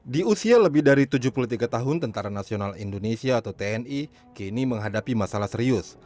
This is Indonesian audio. di usia lebih dari tujuh puluh tiga tahun tni menghadapi masalah serius